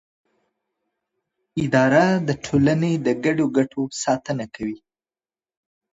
اداره د ټولنې د ګډو ګټو ساتنه کوي.